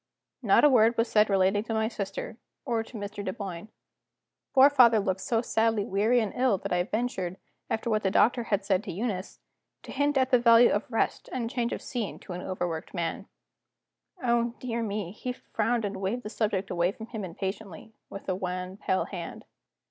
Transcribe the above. Not a word was said relating to my sister, or to Mr. Dunboyne. Poor father looked so sadly weary and ill that I ventured, after what the doctor had said to Eunice, to hint at the value of rest and change of scene to an overworked man. Oh, dear me, he frowned, and waved the subject away from him impatiently, with a wan, pale hand.